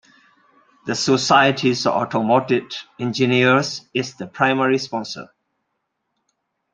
The Society of Automotive Engineers is the primary sponsor.